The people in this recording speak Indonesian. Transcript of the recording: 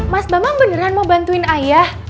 mas bambang beneran mau bantuin ayah